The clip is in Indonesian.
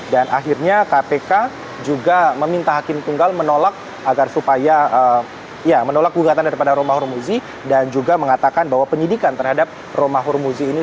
dan akhirnya kpk juga meminta hakim tunggal menolak gugatan daripada romahur muzi dan juga mengatakan bahwa penyidikan terhadap romahur muzi